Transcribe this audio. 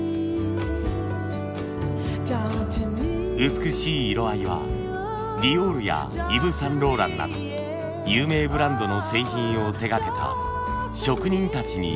美しい色合いはディオールやイヴ・サンローランなど有名ブランドの製品を手がけた職人たちによるもの。